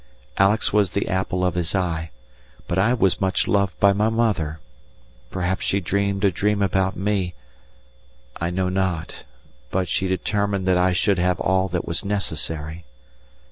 Alex was the apple of his eye, but I was much loved by my mother; perhaps she dreamed a dream about me I know not, but she determined that I should have all that was necessary.